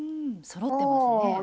そろってますね。